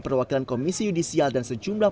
perwakilan komisi yudisial dan sejumlah